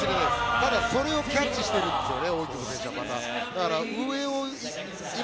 ただ、それをキャッチしているんですね